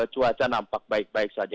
cuaca nampak baik baik saja